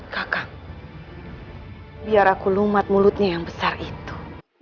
kakak biar aku lumat mulutnya yang besar itu